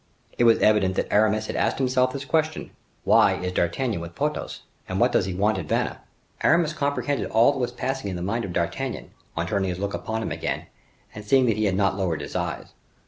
It was evident that Aramis had asked himself this question:—"Why is D'Artagnan with Porthos, and what does he want at Vannes?" Aramis comprehended all that was passing in the mind of D'Artagnan, on turning his look upon him again, and seeing that he had not lowered his eyes.